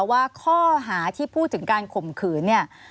ว่าข้อหาที่พูดถึงการข่มขืนเนี่ย